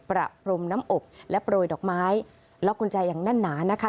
ประพรมน้ำอบและโปร่อยดอกไม้ลอกกุญจัยอย่างหน้านา